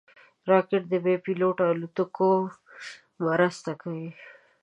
راکټ د بېپيلوټه الوتکو مرسته کوي